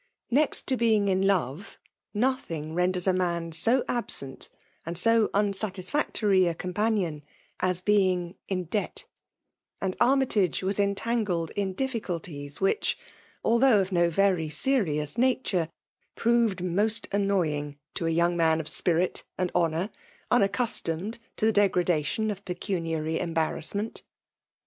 Neact to being in love — ^nothing renders a man so absents and so unsatisfactory a companim* as being in debt; and Army tage was entangled in difficulties which, although of no very serious natoie, proted most annoying to a y^ui^ man of spirit and honour, unagcuatowied U^the •VKWLKW DOMIKATIOfC. 7 degfadatioB of pecimiary embaTraastneiit.